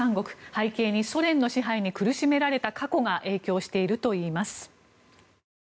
背景にソ連の支配に苦しめられた過去が影響しているといいます。